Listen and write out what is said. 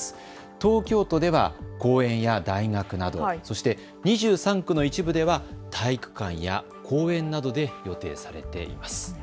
東京都では公園や大学など、そして２３区の一部では体育館や公園などで予定されています。